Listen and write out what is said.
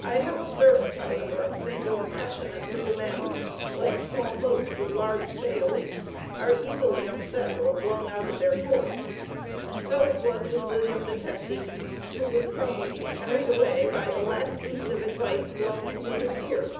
I have observed, however, that your passionate little men, like small boats with large sails, are easily upset or blown out of their course; so was it with William the Testy, who was prone to be carried away by the last piece of advice blown into his ear.